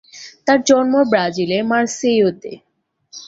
তার জন্ম ব্রাজিলের মারসেইওতে।